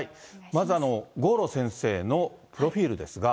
まず郷路先生のプロフィールですが。